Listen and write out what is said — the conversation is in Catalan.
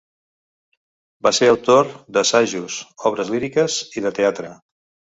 Va ser autor d'assajos, obres líriques i de teatre.